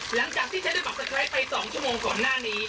หลังจากที่จะได้บับสะใครไป๒ชั่วโมงก่อนหน้านี้